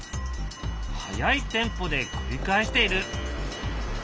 速いテンポで繰り返している。